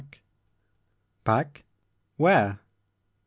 *' Back?— where?''